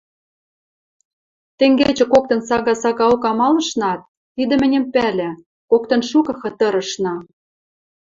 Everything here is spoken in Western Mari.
Тенгечӹ коктын сага-сагаок амалышнаат, тидӹ мӹньӹм пӓлӓ, коктын шукы хытырышна.